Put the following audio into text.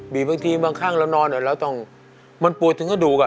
บีบางทีบางครั้งเรานอนมันปวดถึงข้าดูก